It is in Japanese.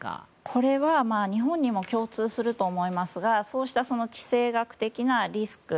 これは日本にも共通すると思いますがそうした地政学的なリスク